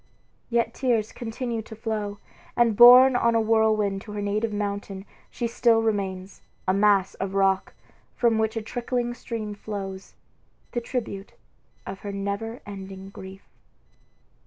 Yet tears continued to flow; and borne on a whirlwind to her native mountain, she still remains, a mass of rock, from which a trickling stream flows, the tribute of her never ending grief.